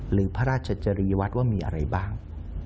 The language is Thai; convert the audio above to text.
หรือพระราชจริยวัตรว่ามีอะไรบ้าง